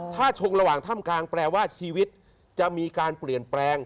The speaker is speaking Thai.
ถ้าชงระหว่างถ้ำกลางแปลว่าชีวิตจะมีการเปลี่ยนแปลง